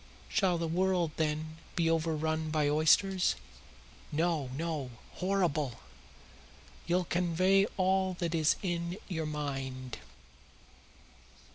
Shall the world, then, be overrun by oysters? No, no; horrible! You'll convey all that is in your mind."